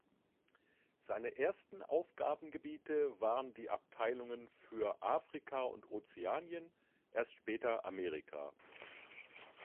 Seine ersten Aufgabengebiete waren die Abteilungen für Afrika und Ozeanien, erst später Amerika.